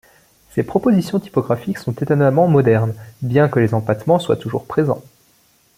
Ces propositions 'typographiques' sont étonnamment modernes, bien que les empattements soient toujours présents.